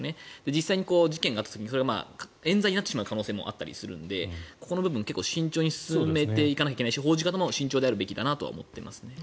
実際に事件があった時にそれはえん罪になってしまう可能性もあったりするのでここの部分結構、慎重に進めていかないといけないし報じ方も慎重であるべきだなと思っています。